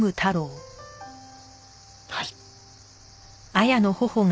はい。